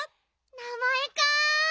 なまえか。